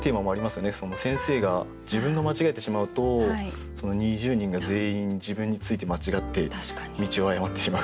先生が自分が間違えてしまうと二十人が全員自分について間違って道を誤ってしまう。